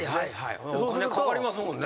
お金かかりますもんね。